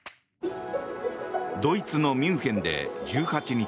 ドイツのミュンヘンで１８日